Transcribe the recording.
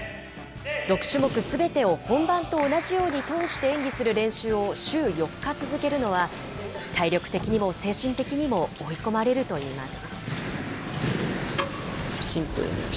６種目すべてを本番と同じように通して演技する練習を週４日続けるのは、体力的にも精神的にも追い込まれるといいます。